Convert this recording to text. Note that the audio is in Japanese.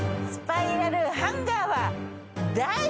スパイラルハンガーは第。